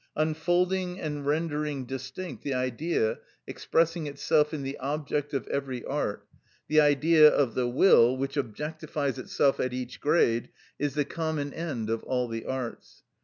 Unfolding and rendering distinct the Idea expressing itself in the object of every art, the Idea of the will which objectifies itself at each grade, is the common end of all the arts.